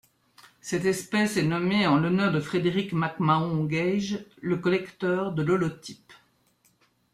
Cette espèce est nommée en l'honneur de Frederick McMahon Gaige, le collecteur de l'holotype.